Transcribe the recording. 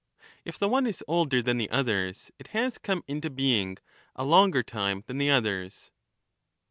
arI^'''"' If the one is older than the others, it has come into being ""«• a longer time than the others.